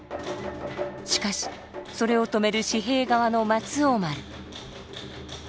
しかしそれを止める時平側の松王丸。